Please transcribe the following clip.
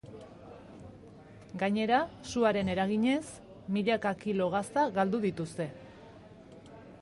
Gainera, suaren eraginez, milaka kilo gazta galdu dituzte.